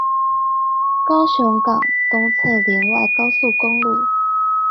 高雄港東側聯外高速公路